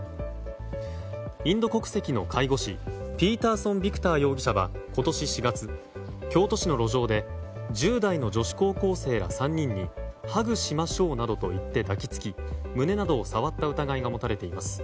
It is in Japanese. インド国籍の介護士ピーターソン・ヴィクター容疑者は今年４月、京都市の路上で１０代の女子高校生ら３人にハグしましょうなどと言って抱きつき胸などを触った疑いが持たれています。